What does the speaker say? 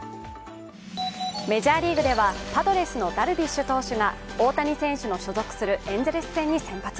メジャーリーグではパドレスのダルビッシュ投手が大谷選手の所属するエンゼルス戦に先発。